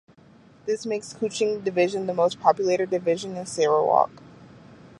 This makes Kuching Division the most populated division in Sarawak.